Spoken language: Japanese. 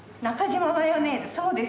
そうですね。